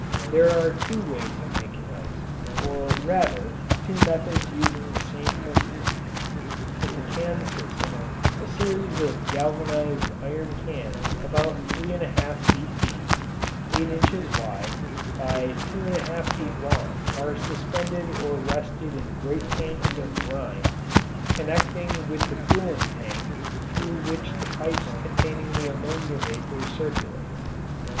There are two ways of making ice or, rather, two methods using the same principle. In the can system, a series of galvanized iron cans about three and a half feet deep, eight inches wide, by two and a half feet long are suspended or rested in great tanks of brine connecting with the cooling tank through which the pipes containing the ammonia vapour circulates.